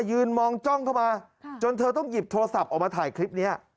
ยืนมองจ้องเข้ามาจนเธอต้องหยิบโทรศัพท์ออกมาถ่ายคลิปนี้